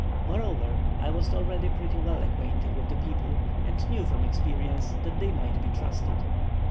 Moreover, I was already pretty well acquainted with the people, and knew from experience that they might be trusted.